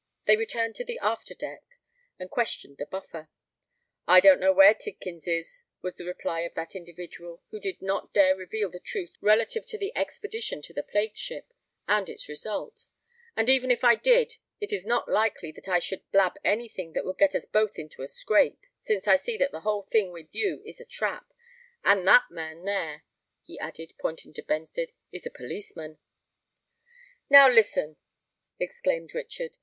They returned to the after deck; and questioned the Buffer. "I don't know where Tidkins is," was the reply of that individual, who did not dare reveal the truth relative to the expedition to the plague ship, and its result; "and even if I did, it is not likely that I should blab any thing that would get us both into a scrape, since I see that the whole thing with you is a trap, and that man there," he added, pointing to Benstead, "is a policeman." "Now, listen," exclaimed Richard.